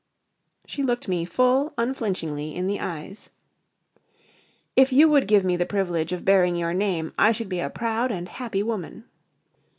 She looked me full, unflinchingly in the eyes. "If you would give me the privilege of bearing your name, I should be a proud and happy woman."